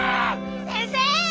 先生！